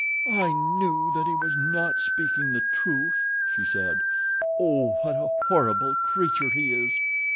"I knew that he was not speaking the truth," she said. "Oh, what a horrible creature he is!"